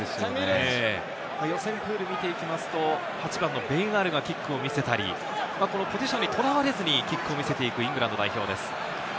予選プールを見ていきますと８番のベン・アールがキックを見せたり、ポジションにとらわれずにキックを見せていくイングランド代表です。